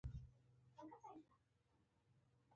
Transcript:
که وغواړئ یو کوچنی بڼ جوړ کړئ کوم موارد په پام کې ونیسئ.